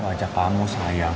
aku ajak kamu sayang